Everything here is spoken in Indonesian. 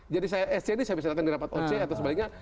jadi saya sc ini saya bisa datang di rapat oc atau sebaliknya